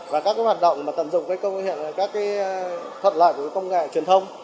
và các hoạt động tận dụng các thuật loại công nghệ truyền thông